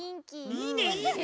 いいねいいね。